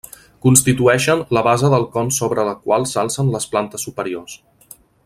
Constitueixen la base del con sobre la qual s'alcen les plantes superiors.